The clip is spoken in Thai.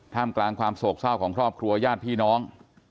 กลางกลางความโศกเศร้าของครอบครัวญาติพี่น้อง